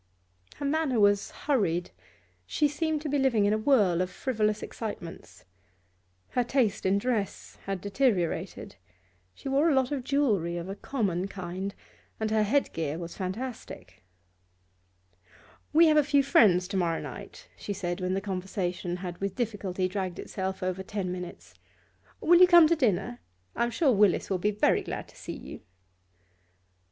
Her manner was hurried, she seemed to be living in a whirl of frivolous excitements. Her taste in dress had deteriorated; she wore a lot of jewellery of a common kind, and her headgear was fantastic. 'We have a few friends to morrow night,' she said when the conversation had with difficulty dragged itself over ten minutes. 'Will you come to dinner? I'm sure Willis will be very glad to see you.